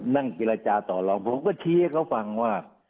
นั่งกิตลาดจา่ต่อรองผมก็ทีให้เขาฟังว่า